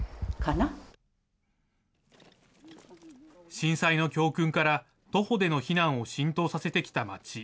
震災の教訓から徒歩での避難を浸透させてきた町。